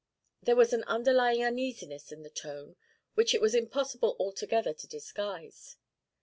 There was an underlying uneasiness in the tone, which it was impossible altogether to disguise.